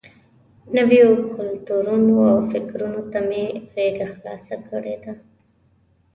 نویو کلتورونو او فکرونو ته مې غېږه خلاصه کړې ده.